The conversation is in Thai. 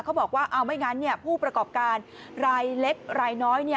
เขาบอกว่าเอาไม่งั้นผู้ประกอบการรายเล็กรายน้อย